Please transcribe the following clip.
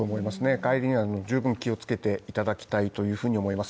帰りには十分気をつけていただきたいというふうに思います。